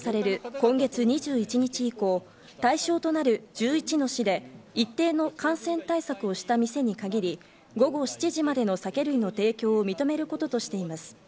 今月２１日以降、対象となる１１の市で一定の感染対策をした店に限り、午後７時までの酒類の提供を認めることとしています。